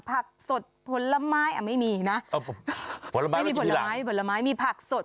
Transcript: ผักสดผลไม้ไม่มีนะไม่มีผลไม้มีผลไม้มีผักสด